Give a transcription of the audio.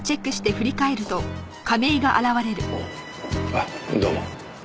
あっどうも。